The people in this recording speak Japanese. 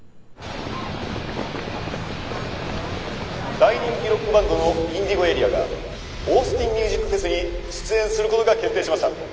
大人気ロックバンドのＩｎｄｉｇｏＡＲＥＡがオースティンミュージックフェスに出演することが決定しました。